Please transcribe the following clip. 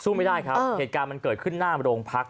ไม่ได้ครับเหตุการณ์มันเกิดขึ้นหน้าโรงพัก